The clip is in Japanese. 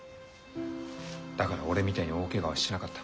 だから俺みたいに大けがをしなかった。